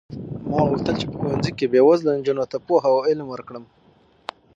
ما غوښتل چې په ښوونځي کې بې وزله نجونو ته پوهه او علم ورکړم.